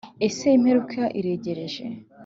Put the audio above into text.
Ese imperuka iregereje